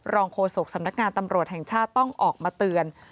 โฆษกสำนักงานตำรวจแห่งชาติต้องออกมาเตือน